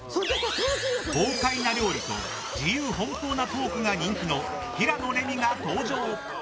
豪快な料理と自由奔放なトークが人気の平野レミが登場。